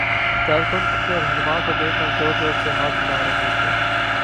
کارکن اپنے راہنما کو دیکھ کر زور زور سے ہاتھ ہلا رہے تھے۔